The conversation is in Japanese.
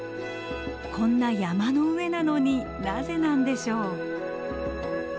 こんな山の上なのになぜなんでしょう？